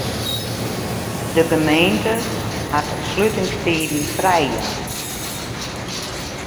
De gemeente hat de slutingstiden frijjûn.